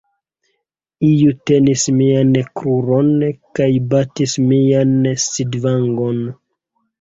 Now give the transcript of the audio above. Iu tenis mian kruron kaj batis mian sidvangon.